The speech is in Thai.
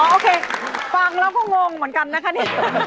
โอเคฟังแล้วก็งงเหมือนกันนะคะนี่